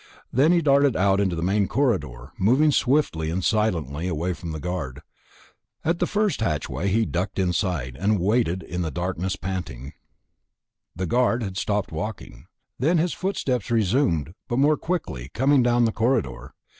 Then he darted out into the main corridor, moving swiftly and silently away from the guard. At the first hatchway he ducked inside, waited in the darkness, panting.... The guard had stopped walking. Then his footsteps resumed, but more quickly, coming down the corridor.